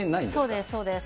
そうです、そうです。